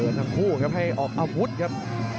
ทั้งคู่ครับให้ออกอาวุธครับ